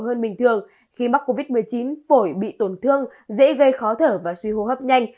hơn bình thường khi mắc covid một mươi chín phổi bị tổn thương dễ gây khó thở và suy hô hấp nhanh